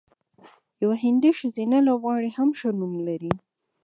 یوه هندۍ ښځینه لوبغاړې هم ښه نوم لري.